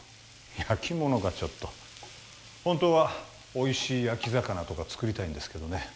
焼き物がちょっと本当はおいしい焼き魚とか作りたいんですけどね